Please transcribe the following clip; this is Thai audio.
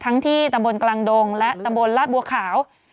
ที่ตำบลกลางดงและตำบลลาดบัวขาว